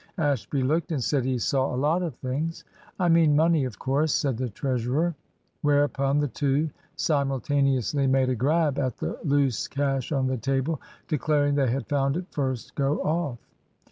Ashby looked, and said he saw a lot of things. "I mean money, of course," said the treasurer. Whereupon the two simultaneously made a grab at the loose cash on the table, declaring they had found it first go off.